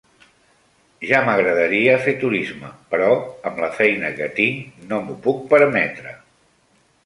Ja m'agradaria fer turisme, però amb la feina que tinc no m'ho puc permetre.